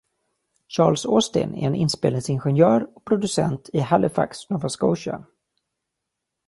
Charles Austin är en inspelningsingenjör och producent i Halifax, Nova Scotia.